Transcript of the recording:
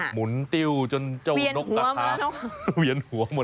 หมุนติ้วจนเจ้านกกระทะเวียนหัวหมดแล้ว